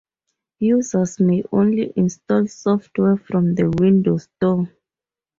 Users may only install software from the Windows Store.